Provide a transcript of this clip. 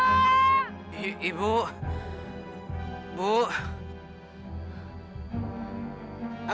terus mengubah menjadi para bekas kamu